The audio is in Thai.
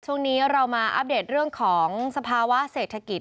ช่วงนี้เรามาอัปเดตเรื่องของสภาวะเศรษฐกิจ